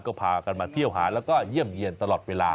ก็พากันมาเที่ยวหาแล้วก็เยี่ยมเยี่ยนตลอดเวลา